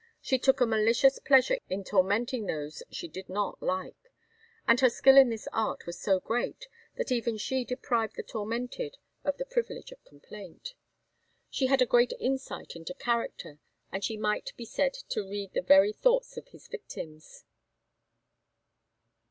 She took a malicious pleasure in tormenting those she did not like; and her skill in this art was so great that she even deprived the tormented of the privilege of complaint. She had a great insight into character, and she might be said to read the very thoughts of his victims.